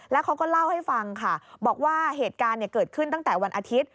แล้วเขาก็เล่าให้ฟังค่ะบอกว่าเหตุการณ์เกิดขึ้นตั้งแต่วันอาทิตย์